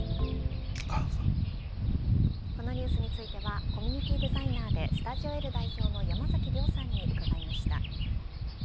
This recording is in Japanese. このニュースについてはコミュニティデザイナーでｓｔｕｄｉｏ‐Ｌ代表の山崎亮さんに伺いました。